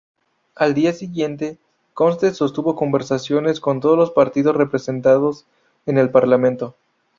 Al día siguiente, Conte sostuvo conversaciones con todos las partidos representados en el Parlamento.